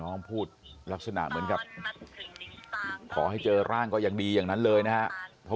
น้องพูดลักษณะเหมือนกับขอให้เห็นหลางก็ดีอย่างงั้นเลยนะครับ